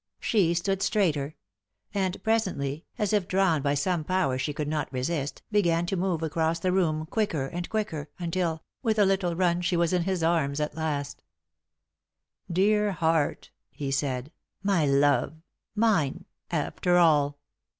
She stood straighter; and, presently, as ii drawn by some power she could not resist, began to move across the room, quicker and quicker, until, with a little run, she was in his arms at last " Dear heart 1 " he said. " My love— mine— after all."